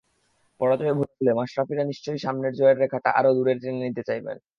পরাজয় ভুলে মাশরাফিরা নিশ্চয়ই সামনে জয়ের রেখাটা আরও দূরে টেনে নিতে চাইবেন।